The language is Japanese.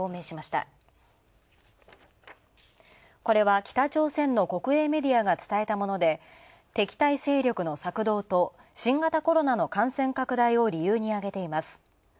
これは、北朝鮮の国営メディアが伝えたもので、敵対勢力の策動と新型コロナの感染拡大を理由にあげています。